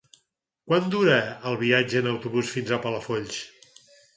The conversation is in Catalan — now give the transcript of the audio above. Quant dura el viatge en autobús fins a Palafolls?